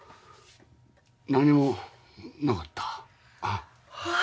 何もなかった。